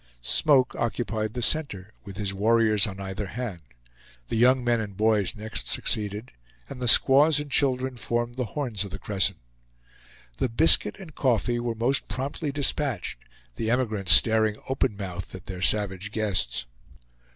Smoke occupied the center, with his warriors on either hand; the young men and boys next succeeded, and the squaws and children formed the horns of the crescent. The biscuit and coffee were most promptly dispatched, the emigrants staring open mouthed at their savage guests.